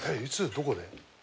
いつどこで？